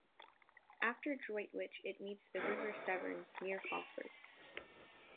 After Droitwich, it meets the River Severn, near Hawford.